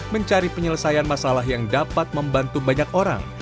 mencari penyelesaian masalah yang dapat membantu banyak orang